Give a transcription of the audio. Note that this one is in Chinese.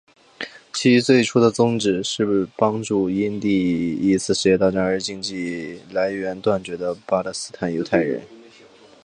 其最初的宗旨是帮助因第一次世界大战而经济来源断绝的巴勒斯坦犹太人。